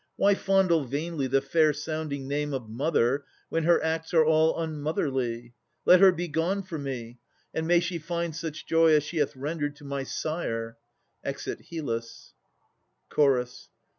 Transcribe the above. Why fondle vainly the fair sounding name Of mother, when her acts are all unmotherly? Let her begone for me: and may she find Such joy as she hath rendered to my sire! [Exit HYLLUS CHORUS.